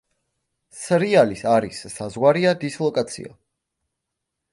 სრიალის არის საზღვარია დისლოკაცია.